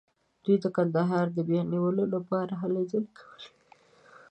دوی د کندهار د بیا نیولو لپاره هلې ځلې کولې.